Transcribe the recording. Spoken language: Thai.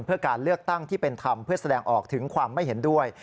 เพื่อการเลือกตั้งที่เป็นธรรมเพื่อแสดงออกถึงความไม่เห็นด้วย